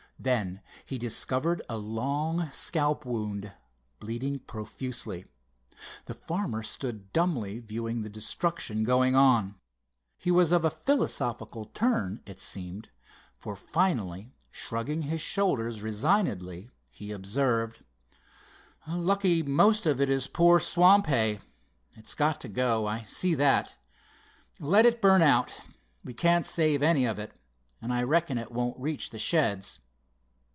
Then he discovered a long scalp wound, bleeding profusely. The farmer stood dumbly viewing the destruction going on. He was of a philosophical turn, it seemed, for finally shrugging his shoulders resignedly he observed: "Lucky most of it is poor swamp hay. It's got to go, I see that. Let it burn out, we can't save any of it, and I reckon it won't reach the sheds.